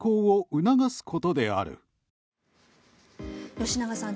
吉永さん